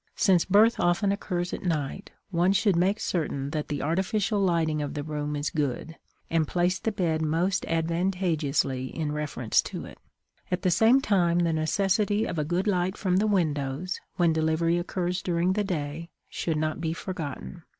Since birth often occurs at night, one should make certain that the artificial lighting of the room is good, and place the bed most advantageously in reference to it; at the same time the necessity of a good light from the windows, when delivery occurs during the day, should not be forgotten.